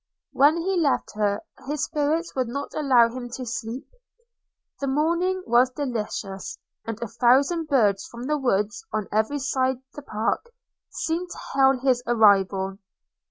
When he left her his spirits would not allow him to sleep. – The morning was delicious, and a thousand birds from the woods, on every side the park, seemed to hail his arrival.